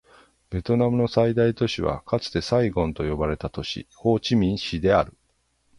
ベトナムの最大都市はかつてサイゴンと呼ばれた都市、ホーチミン市である